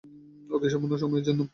অতি সামান্য সময়ের জন্য।